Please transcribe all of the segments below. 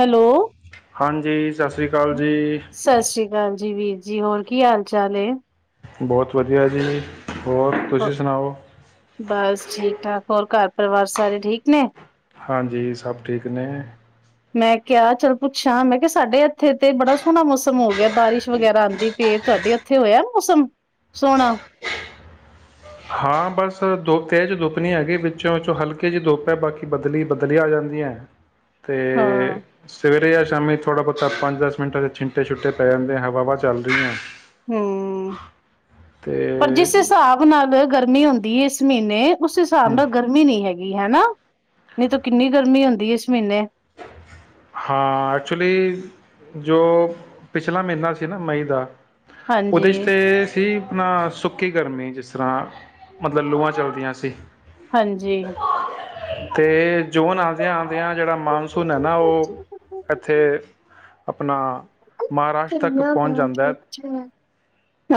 Hello ਹਾਂਜੀ ਸਤਿ ਸ਼੍ਰੀ ਅਕਾਲ ਜੀ, ਹਾਂਜੀ ਵੀਰ ਜੀ ਹੋਰ ਕੀ ਹਾਲ ਚਾਲ? ਬਹੁਤ ਵਧੀਆ ਜੀ, ਹੋਰ ਤੁਸੀ ਸੁਣਾਓ? ਬਸ ਠੀਕ ਠਾਕ, ਹੋਰ ਘਰ ਪਰਿਵਾਰ ਸਾਰੇ ਠੀਕ ਨੇ? ਹਾਂਜੀ ਸਭ ਠੀਕ ਨੇ ਮੈਂ ਕਿਹਾ ਚੱਲ ਪੁੱਛਾਂ ਮੈਂ ਕਿਹਾ ਸਾਡੇ ਇੱਥੇ ਤੇ ਬੜਾ ਸੋਹਣਾ ਮੌਸਮ ਹੋ ਗਿਆ ਬਾਰਿਸ਼ ਵਗੈਰਾ ਆਦੀ ਪਈ ਐ ਤੁਹਾਡੇ ਇੱਥੇ ਹੋਇਆ ਮੌਸਮ ਸੋਹਣਾ ਹਾਂ ਬਸ ਦੁ ਇਹਜ਼ ਦੁੱਪ ਨਹੀਂ ਹੈਗੀ ਵਿੱਚੋਂ ਵਿੱਚੋਂ ਹਲਕੇ ਜਿਹੀ ਦੁੱਪ ਹੈ ਬਾਕੀ ਬਦਲੀ ਬਦਲੀਆਂ ਆ ਜਾਂਦੀਆਂ ਹੈ। ਤੇ ਹਾਂ ਸਵੇਰੇ ਆ, ਸਮੇਂ ਥੋੜ੍ਹਾ ਬਹੁਤਾ ਪੰਜ ਦਸ ਮਿੰਟਾਂ ਚ ਛਿੰਟੇ ਛੁਟੇ ਪੈ ਜਾਂਦੇ ਆ ਹਵਾ ਚੱਲ ਰਹੀ ਹੈ। ਹੂੰ ਪਰ ਅਤੇ ਜਿਸ ਹਿਸਾਬ ਨਾਲ ਗਰਮੀ ਹੁੰਦੀ ਇਸ ਮਹੀਨੇ ਉਸ ਹਿਸਾਬ ਨਾਲ ਗਰਮੀ ਨਹੀਂ ਹੈਗੀ। ਹਨਾ ਨਹੀਂ ਤਾਂ ਕਿੰਨੀ ਗਰਮੀ ਹੁੰਦੀ ਇਸ ਮਹੀਨੇ ਹਾਂ ਐਕਚੁਲੀ ਜੋ ਪਿਛਲਾ ਮਹੀਨਾ ਸੀ ਨਾ ਮਈ ਦਾ ਉਹਦੇ ਚ ਹਾਂਜੀ ਤੇ ਸੀ ਆਪਣਾ ਸੁੱਕੀ ਗਰਮੀ ਚ ਇਸ ਤਰ੍ਹਾਂ ਮਤਲਬ ਲੂਆਂ ਚੱਲਦੀਆਂ ਸੀ। ਹਾਂਜੀ ਤੇ ਜੂਨ ਆਦਿਆਂ-ਆਦਿਆਂ ਜਿਹੜਾ ਮ ਸੁਣਿਆ ਨਾ ਉਹ ਇੱਥੇ ਆਪਣਾ- ਮਹਾਰਾਸ਼ਟਰ ਤੱਕ ਪਹੁੰਚ ਜਾਂਦਾ ਹੈ।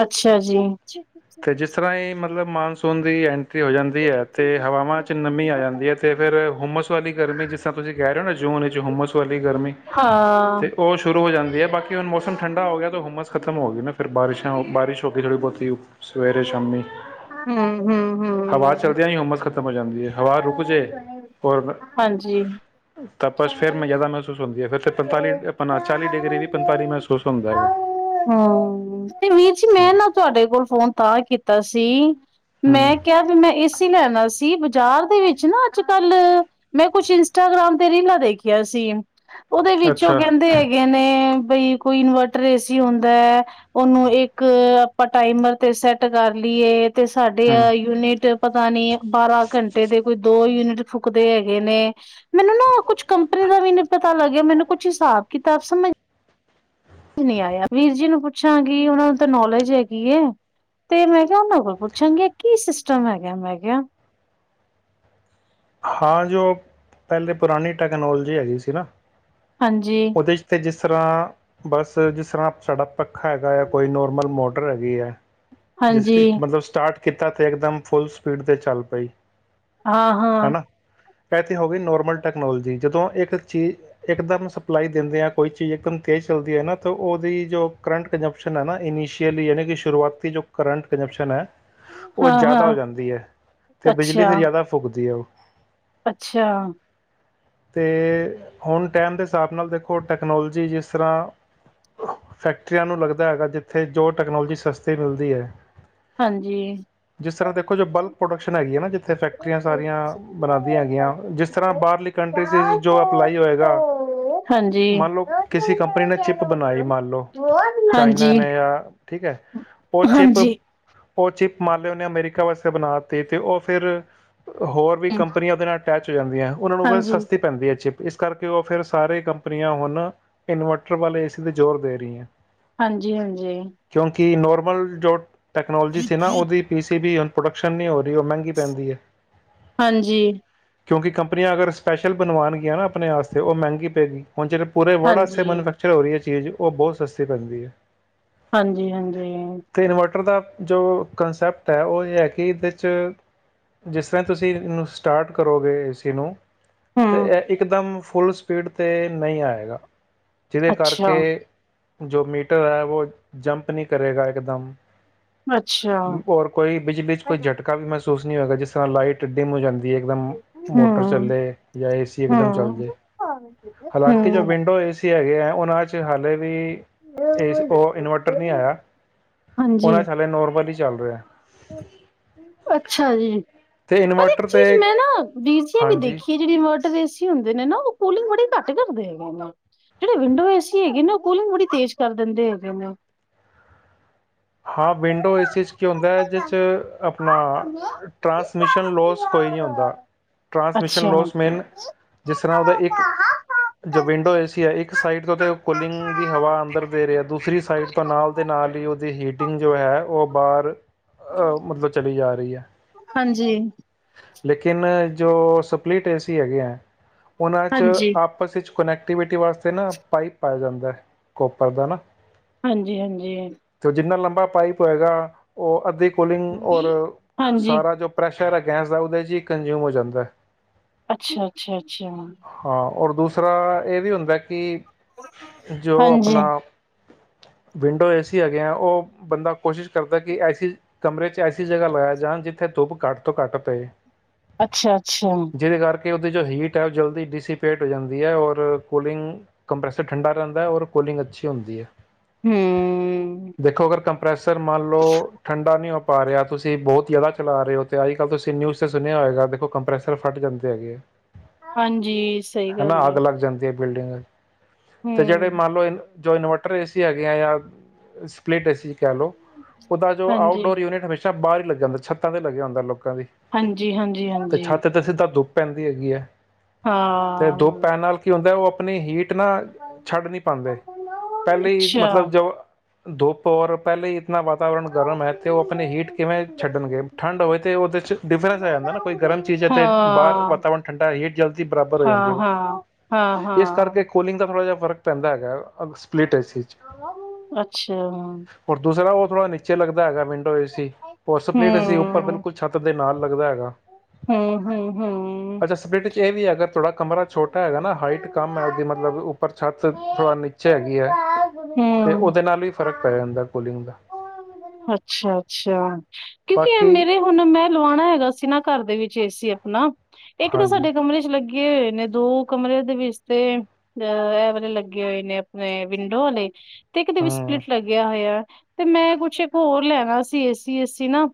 ਅੱਛਾ ਜੀ, ਜਿਸ ਅੱਛਾ-ਅੱਛਾ, ਤਰ੍ਹਾਂ ਹੀ ਮਤਲਬ ਮਾਨਸੂਨ ਦੀ ਐਂ, ਹੋ ਜਾਂਦੀ ਹੈ ਅਤੇ ਹਵਾਵਾਂ ' ਨਮੀ ਆ ਜਾਂਦੀ ਹੈ ਅਤੇ ਫਿਰ ਹੁੁੰਮਸ ਵਾਲੀ ਗਰਮੀ ਜਿਸ ਤਰ੍ਹਾਂ ਤੁਸੀਂ ਕਹਿ ਰਹੇ ਹੋ ਨਾ ਜੂਨ ਵਿੱਚ ਹੁੁੰਮਸ ਵਾਲੀ ਗਰਮੀ ਤੇ ਹਾਂ ਉਹ ਸ਼ੁਰੂ ਹੋ ਜਾਂਦੀ ਹੈ ਬਾਕੀ ਹੁਣ ਮੌਸਮ ਠੰਡਾ ਹੋ ਗਿਆ ਤਾਂ ਹੁਮਸ ਖਤਮ ਹੋ ਗਈ ਨਾ ਫਿਰ ਬਾਰਿਸ਼ ਅਤੇ ਉਹ ਬਾਰਿਸ਼ ਹੋ ਥੋੜੀ ਬਹੁਤੀਈ ਸਵੇਰੇ ਸ਼ਾਮੀ ਹਮ ਹਮ ਹਵਾ ਹਮ ਚਲਦੀ ਆ ਨੀ ਹੁੰਮਸ ਖਤਮ ਹੋ ਜਾਂਦੀ ਹੈ ਹਵਾ ਰੁਕ ਜੇ ਔਰ ਹਾਂਜੀ ਤਪਸ ਫੇਿਰ ਮੈਂ ਜ਼ਿਆਦਾ ਮਹਿਸੂਸ ਹੁੰਦੀ ਹੈ ਫਿਰ ਅਤੇ ਪੰਤਾਲੀ ਆਪ ਚਾਲੀ ਡਿਗਰੀ ਵੀ ਪੰਤਾਲੀ ਮਹਿਸੂਸ ਹੁੰਦਾ ਹੈਗਾ ਹਮ ਹਾਂ ਤ ਕੀਤਾ ਸੀ ਹੂੰ ਮੈਂ ਕਿਹਾ ਵੀ ਮੈਂ ਏ ਸੀ ਲੈਣਾ ਸੀ ਚਾਰ ਦੇ ਵਿੱਚ ਨਾ ਅੱਜ ਕੱਲ ਮੈਂ ਕੁਛ ਇੰਸਟਾਗ੍ਰਾਮ ਤੇ ਰੀਲਾਂ ਦੇਖੀਆਂ ਸੀ ਉਹਦੇ ਵਿੱਚ ਉਹ ਅੱਛਾ ਕਹਿੰਦੇ ਹੈਗੇ ਨੇ ਬਈ ਕੋਈ ਇਨਵਰਟਰ ਏਸੀ ਹੁੰਦਾ ਹੈ ਉਹਨੂੰ ਇੱਕ ਆਪਾਂ ਟਾਈਮਰ ਤੇ ਸੈਟ ਕਰ ਲਈਏ ਤੇ ਸਾਡੇ ਹੂੰ ਯੂਨਿਟ ਪਤਾ ਨੀ ਬਾਰਾਂ ਘੰਟੇ ਦੇ ਕੋਈ ਦੋ ਯੂਨਿਟ ਫੂਕਦੇ ਹੈਗੇ ਨੇ ਮੈਨੂੰ ਨਾ ਕੁਛ ਕੰਪਨੀ ਦਾ ਵੀ ਨਹੀਂ ਪਤਾ ਲੱਗ ਮੈਨੂੰ ਕੁਛ ਹਿਸਾਬ ਕਿਤਾਬ ਸਮਝ ਨੀ ਆਇਆ ਵੀਰ ਜੀ ਨੂੰ ਪੁੱਛਾਂਗੀ ਉਹਨਾਂ ਨੂੰ ਤਾਂ ਨੌਲੇਜ ਹੈਗੀ ਹੈ ਤੇ ਮੈਂ ਕਿਹਾ ਉਹਓਨਾਂ ਕੋਲ ਪੁੱਛਾਂਗੀ ਕੀ ਸਿਸਟਮ ਹੈਗਾ ਮੈਂ ਕਿਹਾ ਹਾਂ ਜੋ ਪਹਿਲੇ ਪੁਰਾਣੀ ਟੈਕਨੋਲੋਜੀ ਹੈਗੀ ਸੀ ਨਾ ਹਾਂਜੀ। ਉਹਦੇਸ਼ ਤੇ ਜਿਸ ਜ ਤਰ੍ਹਾਂ ਬਸ ਜਿਸ ਤਰ੍ਹਾਂ ਸਾਡਾ ਪੱਖਾ ਹੈਗਾ ਆ ਕੋਈ ਨੋਰਮਲ ਮੋਟਰ ਹੈਗੀ ਹੈ ਜਿਸ ਹਾਂਜੀ ਮਤਲਬ ਸਟਾਰਟ ਕਿੱਤਾ ਤੇ ਇੱਕਦਮ ਫੁੱਲ ਸਪੀਡ ' ਚੱਲ ਪਈ ਹਾਂ ਹਾਂ ਹੈਨਾ ਇਹ ਤਾਂ ਹੋ ਗਈ ਨੋਰਮਲ ਟੈਕਨੋਲਜੀ ਜਦੋਂ ਇੱਕ ਚੀਜ਼ ਇੱਕਦਮ ਸਪਲਾਈ ਦਿੰਦੇ ਹਾਂ ਕੋਈ ਚੀਜ਼ ਇੱਕਦਮ ਤੇਜ਼ ਚੱਲਦੀ ਹੈ ਹੈ ਨਾ ਤਾਂ ਉਹਦੀ ਜੋ ਕਰੰਟ ਕੰਜੰਪਸ਼ਨ ਹੈ ਨਾ ਇਨੀਸ਼ੀਅਲੀ ਯਾਨੀ ਕਿ ਸ਼ੁਰੂਆਤੀ ਜੋ ਕਰੰਟ ਕੰਜੰਪਸ਼ਨ ਹੈ ਉਹ ਹਾਂ ਜ਼ਿਆਦਾ ਹੋ ਹਾਂ ਜਾਂਦੀ ਹੈ ਤੇ ਬਿਜਲੀ ਅੱਛਾ ਫਿਰ ਜ਼ਿਆਦਾ ਫੂਕਦੀ ਹੈ ਉਹ ਅੱਛਾ ਤੇ ਹੁਣ ਟਾਈਮ ਦੇ ਹਿਸਾਬ ਨਾਲ ਦੇਖੋ ਟੈਕਨੋਲੋਜੀ ਜਿਸ ਤਰ੍ਹਾਂ ਫੈਕਟਰੀਆਂ ਨੂੰ ਲੱਗਦਾ ਹੈਗਾ ਜਿੱਥੇ ਜੋ ਟੈਕਨੋਲੋਜੀ ਸਸਤੀ ਮਿਲਦੀ ਹੈ ਹਾਂਜੀ ਜਿਸ ਤਰ੍ਹਾਂ ਦੇਖੋ ਜੋ ਬਲਕ ਪ੍ਰੋਡਕਸ਼ਨ ਹੈਗੀ ਹੈ ਨਾ ਜਿੱ ਇੱਥੇ ਫੈਕਟਰੀਆਂ ਸਾਰੀਆਂ ਬਣਾਉਂਦੀਆਂ ਹੈਗੀਆਂ ਜਿਸ ਤਰ੍ਹਾਂ ਬਾਹਰਲੀ ਕੰਟਰੀ ਜੋ ਅਪਲਾਈ ਹੋਏਗਾ ਹਾਂਜੀ ਮੰਨ ਲਓ ਕਿਸੇ ਕੰਪਨੀ ਨੇ ਚਿਪ ਬਣਾਈ ਮੰਨ ਲਓ ਹਾਂਜੀ ਚਾਈਨਾ ਹਾਂਜੀ ਨੇ ਜਾਂ ਠੀਕ ਹੈ ਉਹ ਚਿਪ ਹਾਂਜੀ ਉਹ ਚਿਪ ਮੰਨ ਲਿਆ ਉਹਨੇ ਅਮੈਰੀਕਾ ਵਾਸਤੇ ਬਣਾਤੀ ਤੇ ਉਹ ਫਿਰ ਕੰਪਨੀਆਂ ਦੇ ਨਾਲ ਟੈਚ ਹੋ ਜਾਂ ਉਹਨਾਂ ਨੂੰ ਹਾਂਜੀ ਸਸਤੀ ਪੈਂਦੀ ਹੈ ਚਿਪੱ ਇਸ ਕਰਕੇ ਉਹ ਫਿਰ ਸਾਰੇ ਕੰਪਨੀਆਂ ਹੁਣ ਇਨਵਰਟਰ ਵੱਲ ਏ ਸੀ ਤੇ ਜ਼ੋਰ ਦੇ ਰਹੀ ਹੈ ਹਾਂਜੀ -ਹਾਂਜੀ ਕਿ ਨੋਰਮਲ ਜੋ ਟੈਕਨੋਲੋਜੀ ਸੀ ਨਾ ਉਹਦੀ ਪੀ ਸੀ ਵੀ ਪ੍ਰੋਡਕਸ਼ਨ ਨਹੀਂ ਹੋ। ਉਹ ਮਹਿੰਗੀ ਪੈਂਦੀ ਹੈ। ਕਿਉਂਕਿ ਕੰਪਨੀਆਂ ਅਗਰ ਸਪੈਸ਼ਲ ਬਣਵਾਣਗੀਆਂ ਨਾ ਆਪਣੇ ਵਾਸਤੇ ਉਹ ਮਹਿੰਗੀ ਪਏ ਗੀ। ਹੁਣ ਪੂਰੇ ਵਰਡ ਵਾਸਤੇ ਹਾਂਜੀ ਮੈਨੂਫੈਕਚਰ ਹੋ ਰਹੀ ਹੈ ਚੀਜ਼ ਉਹ ਬਹੁਤ ਸਸਤੀ ਪੈਂਦੀ ਹੈ। ਹਾਂਜੀ- ਹਾਂਜੀ ਤੇ ਇਨਵਰਟਰ ਦਾ ਜੋ ਕੰਨਸੈਪਟ ਹੈ, ਉਹ ਇਹ ਹੈ ਕਿ ਇਹਦੇ 'ਚ ਜਿਸ ਤਰ੍ਹਾਂ ਤੁਸੀਂ ਸਟਾਰਟ ਕਰੋਗੇ ਏ ਸੀ ਨੂੰ ਤੇ ਹੂੰ ਇਹ ਇੱਕਦਮ ਫੁੱਲ ਸਪੀਡ 'ਤੇ ਨਹੀਂ ਆਏਗਾ। ਜਿਹਦੇ ਅੱਛਾ ਕਰਕੇ ਜੋ ਮੀਟਰ ਹੈ। ਉਹ ਜੰਪ ਨਹੀਂ ਕਰੇਗਾ ਇੱਕ ਦਮ ਅੱਛਾ ਔਰ ਕੋਈ ਬੀਜਲੀ ਚ ਕੋਈ ਝਟਕਾ ਵੀ ਮਸ ਅਫਸੂਸ ਨਹੀਂ ਹੋਏਗਾ, ਜਿਸ ਤਰ੍ਹਾਂ ਲਾਈ ਡਿਮ ਹੋ ਜਾਂਦੀ। ਇੱਕਦਮ ਹੂੰ ਮੋਟਰ ਚੱਲੇ ਜਾਂ ਏਸੀ ਇਕਦਮ ਚੱਲ ਹੂੰ ਜਏ, ਹਾਲਾਂਕਿ ਜੋ ਹੂੰ ਵਿੰਡੋ ਏਸੀ ਹੈ। ਇਹ ਹੈ ਉਹਨਾਂ ਚ ਹਾਲੇ ਵੀ ਵੀ ਏਸ ਉਹ ਇਨਵਰਟਰ ਨਹੀਂ ਆਇਆ। ਹਾਂਜੀ ਉਹਨਾ ਚ ਹਲੇ ਨੋਰਮਲੀ ਚੱਲ ਰਿਹਾ ਹੈ। ਅੱਛਾ ਜੀ। ਤੇ ਪਰ ਇੱਕ ਇਨਵਰਟਰ ਚੀਜ਼ ਤੇ ਮੈਂ ਨਾ, ਵੀਰ ਜੀ ਵੀ ਹਾਂਜੀ ਦੇਖੀਏ ਜਿਹੜੀ ਮ ਏਸੀ ਹੁੰਦੇ ਨੇ ਨਾ ਉਹ ਕੂਲਿੰਗ ਬੜੀ ਘੱਟ ਕਰਦੇ ਹੈਗੇ ਨੇ, ਜਿਹੜੇ ਵਿੰਡੋ ਏਸੀ ਹੈਗੇ ਨਾ ਉਹ ਕੂਲਿੰਗ ਬੜੀ ਤੇਜ਼ ਕਰ ਦਿੰਦੇ ਹੈਗੇ ਨੇ ਹਾਂ ਵਿੰਡੋ ਏ ਸੀ ਚ ਕੀ ਹੁੰਦਾ ਹੈ। ਦੇ ਆਪਣਾ ਟ੍ਰਾਂਸਮਿਸ਼ਨ ਲੋਸ ਕੋਈ ਨੀ ਹੁੰਦਾ, ਟ੍ਰਾਂਸਮਿਸ਼ਨ ਅੱਛਾ ਲੋਸ ਮੇਨ ਜਿਸ ਤਰ੍ਹਾਂ ਉਹਦਾ ਇੱਕ ਜੋ ਵਿੰਡੋ ਏ ਸੀ ਹੈ ਇੱਕ ਸਾਈਡ ਤੋਂ ਤੇ ਕੁੂਲਿੰਗ ਦੀ ਹਵਾ ਅੰਦਰ ਦੇ ਰਿਹਾ ਦੂਸਰੀ ਸਾਈਡ ਤੋਂ ਨਾਲ ਦੇ ਨਾਲ ਹੀ ਉਹਦੀ ਹੀਟ- ਟਿੰਗ ਜੋ ਹੈ ਉਹ ਬਾਹਰ ਮਤਲਬ ਚਲੀ ਜਾ ਰਹੀ ਹੈ ਹਾਂਜੀ ਲੇਕਿਨ ਜੋ ਸਪਲਿਟ ਏਸੀ ਹੈਗੇ ਹੈ। ਉਹਨਾਂ ਚ ਹਾਂਜੀ ਆਪਸ ਵਿੱਚ ਕੁਨੈਕਟੀਵਿਟੀ ਵਾਸਤੇ ਨਾ ਪਾਈਪ ਪਾਇਆ ਜਾਂਦਾ ਹੈ, ਕੋਪਰ ਦਾ ਨਾ ਹਾਂਜੀ- ਹਾਂਜੀ ਤੇ ਜਿੰਨਾ ਲੰਬਾ ਪਾਈਪ ਹੋਏਗਾ ਉਹ ਅੱਧੇ ਕੁਲਿੰਗ ਔਰ ਹਾਂਜੀ ਸਾਰਾ ਜੋ ਪ੍ਰੈਸ਼ ਗੈਸ ਦਾ ਉਦੇ ਜ ਹੀ ਕੰਜਿਊਮ ਹੋ ਜਾਂਦਾ ਹੈ। ਅੱਛਾ- ਅੱਛਾ- ਅੱਛਾ ਹਾਂ ਔਰ ਦੂਸਰਾ, ਇਹ ਵੀ ਹੁੰਦਾ ਕਿ ਜੋ ਹਾਂਜੀ ਆਪਣਾ ਵਿੰਡੋ ਏਸੀ ਹੈਗੇ ਆ ਉਹ ਬੰਦਾ ਕੋਸ਼ਿਸ਼ ਕਰਦਾ ਕਿ ਐਸੀ ਕਮਰੇ ਚ ਐਸੀ ਜਗ੍ਹਾ ਲਗਾਇਆ ਜਾਣ ਜਿੱਥੇ ਧੁੱਪ ਘੱਟ ਤੋਂ ਘੱਟ ਪਏ। ਅੱਛਾ, ਅੱਛਾ ਕਿ ਉਹਦੀ ਜੋ ਹੀਟ ਹੈ ਉਹ ਜਲਦੀ ਡੀਸੀਪੇਟ ਹੋ ਜਾਂਦੀ ਹੈ ਔਰ ਕੂਲਿੰਗ ਕੰਪਰੈਸਰ ਠੰਡਾ ਰਹਿੰਦਾ ਔਰ ਕੂਲਿੰਗ ਅੱਛੀ ਹੁੰਦੀ ਹੈ। ਹੂੰ ਦੇਖੋ ਅਗਰ ਕੰਪਰੈਸ ਸਰ ਮਨ ਲੋ ਠੰਡਾ ਨੀ ਪਾ ਰਿਹਾ ਤੁਸੀਂ ਬਹੁਤ ਜ਼ਿਆਦਾ ਚਲਾ ਰਹੇ ਹੋ ਤੇ ਅੱਜ -ਕੱਲ੍ਹ ਤੁਸੀਂ ਨਿਊਜ਼ ਤੇ ਸੁਣਿਆ ਹੋਏਗਾ ਦੇਖੋ ਕੰਪ੍ਰੈਸਰ ਫਟ ਜਾਂਦੇ ਹੈਗੇ ਆ। ਹਾਂਜੀ ਸਹੀ ਗੱਲ ਹੈ। ਜਾਂਦੀ ਹੈ ਬਿਲਡਿੰਗ ਤੇ ਜਿਹੜੇ ਹੂੰ ਮੰਨ ਲਓ ਇਹ ਜੋ ਇਨਵਰਟਰ ਏ ਸੀ ਹੈਗੇ ਹੈ ਜਾਂ ਸਪਲਿਟ ਏ ਸੀ ਕਹ ਲੋ ਉਦਾ ਜੋ ਆਊਟ ਹਾਂਜੀ ਡੋਰ ਯੂਨਿਟ ਹਮੇਸ਼ਾ ਬਾਹਰ ਈ ਲੱਗ ਜਾਂਦਾ ਛਤਾ ਤੇ ਲੱਗ ਜਾਂਦਾ ਲੋਕ ਕਾਂ ਦੀ ਹਾਂਜੀ ਹਾਂਜੀ ਤੇ ਹਾਂਜੀ ਛੱਤ ਤੇ ਸਿੱਧਾ ਧੁੱ ਪੈਂਦੀ ਹੈਗੀ ਹੈ। ਤੇ ਧੂੱਪ ਹਾਂ ਪੈਣ ਨਾਲ ਕੀ ਹੁੰਦਾ ਉਹ ਆਪਣੀ ਹੀਟ ਨਾ ਛੱਡ ਨਹੀਂ ਪਾਂਦੇ ਪਹਿਲੇ ਅੱਛਾ ਮਤਲਬ ਜੋ ਧੁੱਪ ਔਰ ਪਹਿਲੇ ਆਪਣਾ ਵਾਤਾਵਰਨ ਗਰਮ ਹੈ ਤੇ ਉਹ ਆਪਣੇ ਹੀਟ ਕਿਵੇਂ ਛੱਡਣਗੇ ਠੰਡ ਹੋਵੇ ਤਾਂ ਉਹਦੇ ਚ ਡਿਫਰੈਂਸ ਆ ਜਾਂਦਾ ਨਾ ਕੋਈ ਗਰਮ ਚੀਜ਼ ਹੈ ਤੇ ਬਾਹਰ ਹਾਂ ਵਾਤਾਵਰਨ ਠੰਡਾ ਹੀਟ ਜਲਦੀ ਬਰਾਬਰ ਹੋ ਜਾਂਦੀ ਹੈ, ਹਾਂ-ਹਾਂ, ਇਸ ਹਾਂ-ਹਾਂ। ਕਰਕੇ ਕੂਲਿੰਗ ਦਾ ਥੋੜ੍ਹਾ ਜਿਹਾ ਫ਼ਰਕ ਪੈਂਦਾ ਹੈਗਾ। ਸਪਲਿਟ ਏਸੀ ਚ ਅੱਛਾ ਦੂਸਰਾ ਉਹ ਥੋੜਾ ਨੀਚੇ ਲੱਗਦਾ ਹੈਗਾ। ਵਿੰਡੋ ਏ ਸੀ, ਹੋਰ ਸਪਲਿਟ ਏ ਸੀ ਉੱਪਰ ਬਿਲਕੁਲ ਛੱਤ ਦੇ ਨਾਲ ਲੱਗਦਾ ਹੈ। [unintelligible] ਹੂੰ, ਹੂੰ, ਹੂੰ। ਅੱਛਾ ਸਪਲਿਟਟ ਚ ਇਹ ਵੀ ਹੈ ਅਗਰ ਥੋੜਾ ਕਮਰਾ ਛੋਟਾ ਹੈਗਾ ਨਾ ਹਾਈਟ ਕੰਮ ਹੈ ਉਹਦੀ ਮਤਲਬ ਪਰ ਛੱਤ ਥੋੜ੍ਹਾ ਨੀਚੇ ਹੈਗੀ ਹੈ। ਤੇ ਉਹਦੇ ਹੂੰ। ਨਾਲ ਵੀ ਫ਼ਰਕ ਪੈ ਜਾਂਦਾ ਕੋਲਿੰਗ ਦਾ। ਅੱਛਾ-ਅੱਛਾ ਕਿਉਂਕਿ ਬਾਕੀ ਮੇਰੇ ਹੁਣ ਮੈਂ ਲਵਾਉਣਾ ਹੈਗਾ ਅਸੀਂ ਨਾ ਘਰ ਦੇ ਵਿੱਚ ਏਸੀ ਆਪਣਾ ਇੱਕ ਤਾਂ ਹਾਂਜੀ ਸਾਡੇ ਕਮਰੇ ਚ ਲੱਗੇ ਲੱਗੇ ਹੋਏ ਨੇ ਦੋ ਕਮਰੇ ਦੇ ਵਿੱਚ ਤੇ ਅ ਐਵਾਲੇ ਲੱਗੇ ਹੋਏ ਨੇ ਆਪਣੇ ਵਿੰਡੋ ਵਾਲੇ ਤੇ ਕਿਤੇ ਵੀ ਹੂੰ, ਸਪਲਿਟ ਲੱਗਿਆ ਹੋਇਆ ਤੇ ਮੈਂ ਕੁਛ ਹੋਰ ਲੈਣਾ ਸੀ ਏਸੀ ਅਸੀ ਨਾ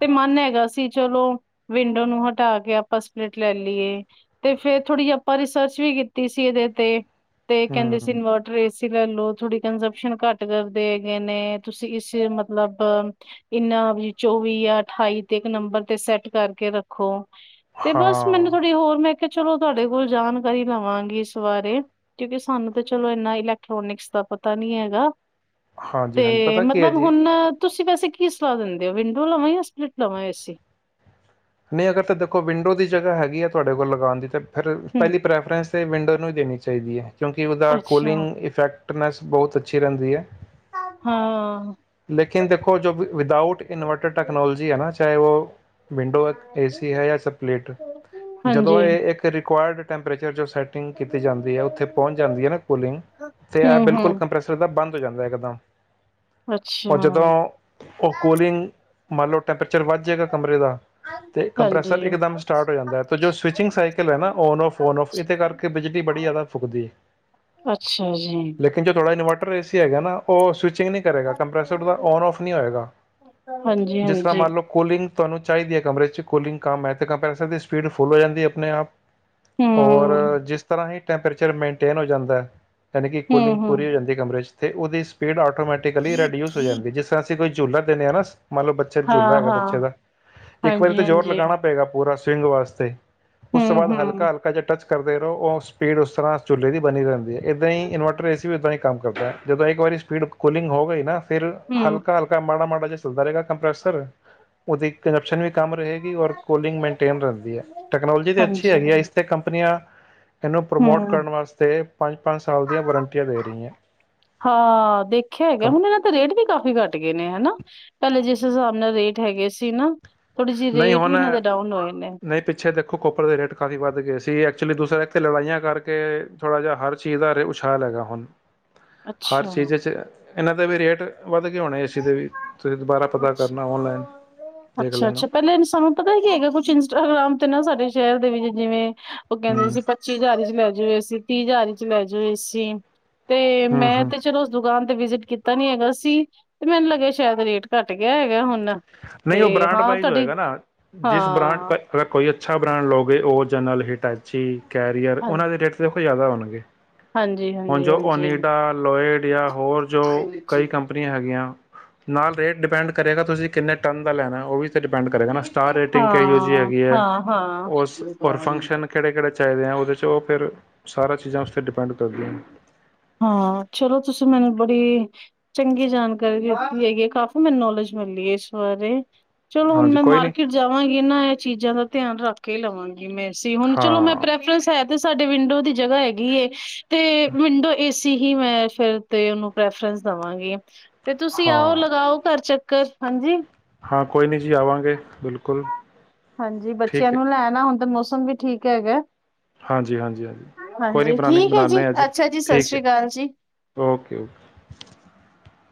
ਤੇ ਮਨ ਹੈਗਾ ਸੀ ਚਲੋ ਵਿੰਡੋ ਨੂੰ ਹਟਾ ਕੇ ਆਪਾਂ ਸਪਲਿਟ ਲੈ ਲਈਏ ਤੇ ਫੇਰ ਥੋੜੀ ਜਿਹੀ ਆਪਾਂ ਰਿਸਰਚ ਵੀ ਕੀਤੀ ਸੀ ਇਹਦੇ ਤੇ ਤੇ ਕਹਿੰਦੇ ਸੀ ਹੂੰ, ਇਨਵਰਟਰ ਏ ਸੀ ਲੈ ਲਓ ਥੋਡੀ ਕੰਜਪਸ਼ਨ ਘੱਟ ਕਰਦੇ ਹੈਗੇ ਨੇ ਤੁਸੀਂ ਇਸ ਮਤਲਬ ਇਨਾ ਵੀ ਚੌਵੀ ਜਾਂ ਅਠਾਈ ਤੇ ਇੱਕ ਨੰਬਰ ਤੇ ਸੈਟ ਕਰਕੇ ਰੱਖੋ ਤੇ ਬਸ ਮੈਨੂੰ ਹਾਂ, ਥੋੜੀ ਹੋਰ ਮੈਂ ਚਲੋ ਤੁਹਾਡੇ ਕੋਲ ਜਾਣਕਾਰੀ ਲਵਾਂਗੀ ਇਸ ਬਾਰੇ ਕਿਉਂਕਿ ਸਾਨੂੰ ਤਾਂ ਚਲੋ ਇਨਾ ਇਲੈਕਟ੍ਰੋਨਿਕਸ ਦਾ ਪਤਾ ਨੀ ਹੈਗਾ ਹਾਂਜੀ, ਤੇ ਹਾਂਜੀ ਪਤਾ ਕੀ ਹੈ ਮਤਲਬ ਜੀ ਹੁਣ ਤੁਸੀਂ ਵੈਸੇ ਕੀ ਸਲਾਹ ਦਿੰਦੇ ਹੋ ਵਿੰਡੋ ਲਵਾਂ ਜਾਂ ਸਪਲਿੱਟ ਲਵਾਂ ਏਸੀ ਨਹੀਂ ਅਗਰ ਤਾਂ ਦੇਖੋ ਵਿੰਡੋ ਦੀ ਜਗ੍ਹਾ ਹੈਗੀ ਆ ਤੁਹਾਡੇ ਕੋਲ ਲਗਾਉਣ ਦੀ ਤਾਂ ਫਿਰ ਹੂੰ ਪਹਿਲੀ ਪ੍ਰੈਫਰੈਂਸ ਤੇ ਵਿੰਡੋ ਨੂੰ ਦੇਣੀ ਚਾਹੀਦੀ ਹੈ ਕਿਉਂਕਿ ਉਹਦਾ ਅੱਛਾ ਕੂਲਿੰਗ ਇਫੈਕਟ ਨੈਸ ਬਹੁਤ ਅੱਛੀ ਰਹਿੰਦੀ ਹੈ ਹਾਂ ਲੇਕਿਨ ਦੇਖੋ ਜੋ ਵਿਦਾਊਟ ਇਨਵਰਟਰ ਟੈਕਨੋਲੋਜੀ ਹੈ ਨਾ ਚਾਹੇ ਉਹ ਵਿੰਡੋ ਹੈ ਏਸੀ ਹੈ ਜਾਂ ਸਪਲਿਟ ਜਦੋਂ ਹਾਂਜੀ ਇਹ ਇੱਕ ਰਿਕਵਿਯਰਡ ਟੈਪਰੇਚਰ ਜੋ ਸੈਟਿੰਗ ਕੀਤੀ ਜਾਂਦੀ ਹੈ ਉੱਥੇ ਪਹੁੰਚ ਜਾਂਦੀ ਹੈ ਨਾ ਕੂਲਿੰਗ ਤੇ ਇਹ ਹੂੰ ਬਿਲਕੁਲ ਹੂੰ ਕੰਪ੍ਰੈਸਰ ਦਾ ਬੰਦ ਜਾਂਦਾ ਇਕਦਮ ਉਹ ਅੱਛਾ ਜਦੋਂ ਉਹ ਕੂਲੀਗ ਮੰਨ ਲਓ ਟੈਂਪਰੇਚਰ ਵੱਧ ਜਾਵੇਗਾ ਕਮਰੇ ਦਾ [inaudible] ਕੰਪ੍ਰੈਸਰ ਇਕਦਮ ਸਟਾਰਟ ਹੋ ਜਾਂਦਾ ਹੈ ਤਾਂ ਜੋ ਸਵਿਚਿੰਗ ਸਾਈਕਲ ਹੈ ਨਾ ਔਨ ਔਫ ਔਨ ਔਫ ਇਹਦੇ ਕਰਕੇ ਬਿਜਲੀ ਬੜੀ ਜ਼ਿਆਦਾ ਫੁਕਦੀ ਹੈ ਅੱਛਾ ਜੀ ਲੇਕਿਨ ਜੋ ਇਨਵਰਟਰ ਏ ਸੀ ਹੈਗਾ ਨਾ ਉਹ ਸਵਿਚੀਗਂ ਨਹੀਂ ਕਰੇਗਾ ਕੰਪੈਸਰ ਔਨ ਔਫ ਨਹੀਂ ਹੋਏਗਾ ਹਾਂਜੀ ਜਿਸ ਤਰ੍ਹਾਂ ਹਾਂਜੀ ਮੰਨ ਲਓ ਕੂਲਿੰਗ ਤੁਹਾਨੂੰ ਚਾਹੀਦੀ ਹੈ ਕਮਰੇ ਚ ਕੋਲਿੰਗ ਕੰਮ ਹੈ ਤਾਂ ਕੰਮ ਪੈ ਸਕਦੀ ਸਪੀਡ ਫੁੱਲ ਹੋ ਜਾਂਦੀ ਆਪਣੇ ਆਪ ਔਰ ਹੂੰ ਜਿਸ ਤਰ੍ਹਾਂ ਹੀ ਟੈਂਪਰੇਚਰ ਮੇਨਟੇਨ ਹੋ ਜਾਂਦਾ ਯਾਨੀ ਕਿ ਹੂੰ ਕੂਲਿੰਗ ਪੁਰੀ ਹੋ ਹੂੰ ਜਾਂਦੀ ਕਮਰੇ ਚ ਅਤੇ ਉਹਦੀ ਸਪੀਡ ਆ ਆਟੋਮੈਟਿਕਲੀ ਰਿਡਿਊਜ਼ ਹੋ ਜਾਂਦੀ ਜਿਸ ਤਰ ਅਸੀਂ ਕੋਈ ਝੂਲਾ ਦੇਣੇ ਹਨਾ ਮੰਨ ਲਓ ਬੱਚੇ ਝੂਲਾ ਹਾਂ ਹੈਗਾ ਹਾਂ ਬੱਚੇ ਦਾ ਇੱਕ ਵਾਰੀ ਹਾਂਜੀ ਤੇ ਜ਼ੋਰ ਹਾਂਜੀ ਲਗਾਉਣਾ ਪਏਗਾ ਪੂਰਾ ਸੀ ਰਿੰਗ ਵਾਸਤੇ ਉਸ ਤੋਂ ਹੂੰ ਬਾਅਦ ਹੂੰ ਹਲਕਾ ਹਲਕਾ ਜਿ ਟਚ ਕਰਦੇ ਰਹੋ ਉਹ ਸਪੀਡ ਉਸ ਤਰ੍ਹਾਂ ਚੁੱਲ੍ਹੇ ਦੀ ਬਣੀ ਰਹਿੰਦੀ ਏਦਾਂ ਹੀ ਇਨਵਰਟਰ ਏ ਸੀ ਵੀ ਏਦਾਂ ਹੀ ਕੰਮ ਕਰਦਾ ਹੈ ਜਦੋਂ ਇੱਕ ਵਾਰੀ ਸਪੀਡ ਕੂਲਿੰਗ ਹੋ ਗਈ ਨਾ ਫਿਰ ਹੂੰ ਹਲਕਾ ਹਲਕਾ ਮਾੜਾ -ਮਾੜਾ ਚਲਦਾ ਰਹੇਗਾ ਕੰਪ੍ਰਸਰ ਉਹਦੀ ਕੰਪਸ਼ਨ ਵੀ ਕੰਮ ਰਹੇਗੀ ਔਰ ਕੂਲਿੰਗ ਮੇਨਟੇਨ ਰਹਿੰਦੀ ਹੈ ਟੈਕਨੋਲੋਜੀ ਤੇ ਅੱਛੀ ਹੈਗੀ ਹੈ ਇਸਤੇ ਕੰਪਨੀਆਂ ਇਹਨੂੰ ਪ੍ਰਮੋਟ ਹਮ ਕਰਨ ਵਾਸਤੇ ਪੰਜ ਪੰਜ ਸਾਲ ਦੀਆਂ ਵਾਰੰਟੀਆਂ ਦੇ ਰਹੀਆਂ ਹਾਂ ਦੇਖਿਆ ਹੈਗਾ ਕੰ ਹੁਣ ਇਹਨਾਂ ਤੇ ਰੇਟ ਵੀ ਕਾਫ਼ੀ ਘੱਟ ਗਏ ਨੇ ਹਨਾ ਪਹਿਲੇ ਜਿਸ ਉਸ ਹਿਸਾਬ ਨਾਲ ਰੇਟ ਹੈਗੇ ਸੀ ਨਾ ਥੋੜੀ ਜਿਹੀ ਨਹੀਂ ਰੇਟ ਵੀ ਹੁਣ ਇਹਨਾਂ ਦੇ ਡਾਊਨ ਹੋਏ ਨੇ ਨਹੀਂ ਪਿੱਛੇ ਦੇਖੋ ਕੋਪਰ ਦੇ ਰੇਟ ਕਾਫੀ ਵੱਧ ਗਏ ਸੀ ਦੂਸਰੇ ਐਥੇ ਲੜਾਈਆਂ ਕਰਕੇ ਥੋੜਾ ਜਿ ਹਰ ਚੀਜ਼ ਦਾ ਉਛਾਲ ਹੈਗਾ ਹੁਣ ਹਰ ਅੱਛਾ ਚੀਜ਼ 'ਚ ਇਹਨਾਂ ਦੇ ਵੀ ਰੇਟ ਵੱਧ ਕੇ ਹੋਣੇ ਏ ਸੀ ਦੇ ਵੀ ਤੁਸੀਂ ਦੁਬਾਰਾ ਪਤਾ ਅੱਛਾ ਕਰਨਾ ਔਨਲਾਈਨ ਦੇਖ ਲੈਣਾ ਅੱਛਾ-ਅੱਛਾ ਪਹਿਲੇ ਸਾਨੂੰ ਪਤਾ ਹੀ ਕੀ ਹੈਗਾ ਕੁਛ ਇੰਸਟਾਗ੍ਰਾਮ ਤੇ ਨਾ ਸਾਡੇ ਸ਼ਹਿਰ ਦੇ ਵਿੱਚ ਜਿਵੇਂ ਉਹ ਕਹਿੰਦੇ ਹੂੰ ਸੀ ਪੱਚੀ ਹਜ਼ਾਰ ਚ ਲੈ ੈਜਏ ਸੀ ਤੀਹ ਹਜ਼ਾਰੀ ਚ ਲੈ ਜਾਉ ਐਸੀ ਤੇ ਹੂੰ ਮੈਂ ਹੂੰ ਤੇ ਚਲੋ ਉਸ ਦੁਕਾਨ ਵਿਜਿਟ ਕੀਤਾ ਨੀ ਹੈਗਾ ਸੀ ਤੇ ਮੈਨੂੰ ਲੱਗਿਆ ਸ਼ਾਇਦ ਰੇਟ ਘੱਟ ਗਿਆ ਹੈਗਾ ਹੁਣ ਤੇ ਨਹੀਂ ਉਹ ਬ੍ਰਾਂਡ ਹਾਂ ਵਾਈਜ਼ ਤੁਹਾਡੀ ਹੋਏਗਾ ਨਾ ਜਿਸ ਬ੍ਰਾਂਡ ਹਾਂ ਅਗਰ ਕੋਈ ਅੱਛਾ ਬ੍ਰਾਂਡ ਲਉਗੇ ਉਹਓ ਜਨਲ ਹਿਟੈਚੀ ਕੈਰੀਅਰ ਹਾਂ ਉਹਨਾਂ ਦੇ ਰੇਟ ਤੇ ਉ ਜ਼ਿਆਦਾ ਹੋਣਗੇ ਹਜੋ ਹਾਂਜੀ-ਹਾਂਜੀ-ਹਾਂਜੀ ਅਨਿਡਾ ਲੋਇਡ ਜਾਂ ਹੋਰ ਜੋ ਕਈ ਕੰਪਨੀਆਂ ਹੈਗੀਆਂ। ਨਾਲ ਰੇਟ ਡਿਪੈਂਡ ਕਰੇਗਾ ਤੁਸੀਂ ਕਿੰਨੇ ਟਨ ਦਾ ਲੈਣਾ ਉਹ ਵੀ ਡਿਪੈਂਡ ਕਰੇਗਾ ਸਟਾਰ ਰੇਟਿੰਗ ਕਿਹੜ ਯੂ ਜੀ ਹਾਂ ਹੈਗੀ ਹੈ ਹਾਂ-ਹਾਂ ਉਸਰ ਫੰਕਸ਼ਨ ਕਿਹੜੇ ਕਿਹੜੇ ਚਾਹੀਦੇ ਆ ਉਹਦੇ 'ਚ ਫਿਰ ਸਾਰਾ ਚੀਜ਼ਾਂ ਉਸ 'ਤੇ ਡਿਪੈਂਡ ਕਰਦੀਆਂ। ਹਾਂ ਚਲੋ ਤੁਸੀਂ ਮੈਨੂੰ ਬੜੀ ਚੰਗੀ ਜਾਣਕਾਰੀ ਦਿੱਤੀ ਹੈਗੀ ਹੈ ਕਾਫ਼ੀ ਮੈਨੂੰ ਨੌਲੇਜ ਮਿਲਲੀ ਹੈ ਇਸ ਬਾਰੇ ਚਲੋ ਹੁਣ ਹਾਂਜੀ ਮੈਂ ਕੋਈ ਨਹੀਂ ਮਾਰਕੀਟ ਜਾਵਾਂਗੀ ਇਹਨਾਂ ਚੀਜ਼ਾਂ ਦਾ ਧਿਆਨ ਰੱਖ ਲਵਾਂਗੇ, ਮ ਹੁਣ ਹਾਂ ਚਲੋ ਮੈਂ ਪ੍ਰੈਫਰੈਂਸ ਹੈ, ਤੇ ਸਾਡੇ ਵਿੰਡੋ ਦੀ ਜਗ੍ਹਾ ਹੈਗੀ। ਤੇ ਵਿੰਡੋ ਅ ਹੀ ਮੈਂ ਫਿਰ ਤੇ ਉਹਨੂੰ ਪ੍ਰੈਫਰੈਂਸ ਦੇਵਾਂਗੀ। ਤੇ ਤੁਸੀਂ ਹਾਂ ਆਓ ਲਗਾਓ ਘਰ ਚੱਕ ਹਾਂਜੀ ਹਾਂ ਕੋਈ ਨਹੀਂ ਜੀ ਆਵਾਂਗੇ ਬਿਲਕੁਲ ਹਾਂਜੀ ਬੱਚਿਆਂ ਠੀਕ ਹੈ ਨੂੰ ਲੈਣਾ। ਹੁਣ ਤੇ ਮੌਸਮ ਵੀ ਠੀਕ ਹੈਗਾ। ਹਾਂਜੀ ਹਾਂਜੀ ਹਾਂਜੀ ਕੋਈ ਨੀ ਹਾਂਜੀ ਬਣਾਨ ਠੀਕ ਹੈ ਬਣਾਦੇ ਹਾਂ ਜੀ ਅੱਛਾ ਸਤਿ ਠੀਕ ਹੈ ਸ੍ਰੀ ਅਕਾਲ ਜੀ ਓਕੇ ਓਕੇ।